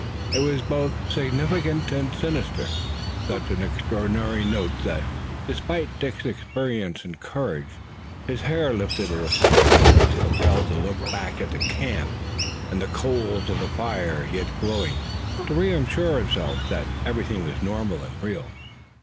It was both significant and sinister, such an extraordinary note that, despite Dick's experience and courage, his hair lifted a little. He was compelled to look back at the camp and the coals of the fire yet glowing to reassure himself that everything was normal and real.